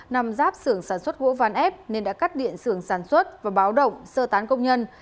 nằm giáp xưởng sản xuất gỗ ván ép nên đã cắt điện xưởng sản xuất và báo động sơ tán công nhân